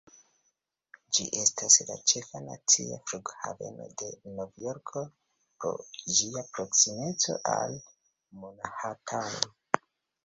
Ĝi estas la ĉefa nacia flughaveno de Novjorko, pro ĝia proksimeco al Manhatano.